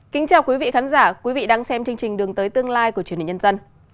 kính chào quý vị khán giả quý vị đang xem chương trình đường tới tương lai của truyền hình nhân dân